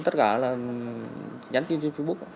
tất cả là nhắn tin trên facebook